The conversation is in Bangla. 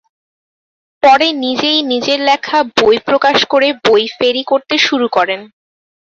পরে নিজেই নিজের লেখা বই প্রকাশ করে বই ফেরি করতে শুরু করেন।